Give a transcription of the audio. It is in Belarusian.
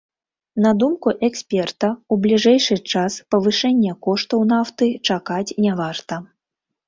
На думку эксперта, у бліжэйшы час павышэння коштаў нафты чакаць не варта.